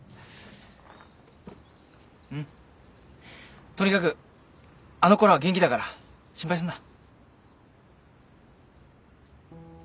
うんとにかくあの子らは元気だから心配すんな。